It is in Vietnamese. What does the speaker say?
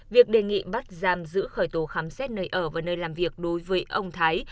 việc đề nghị bắt giam giữ khởi tố khám xét nơi ở và nơi làm việc đối với ông thái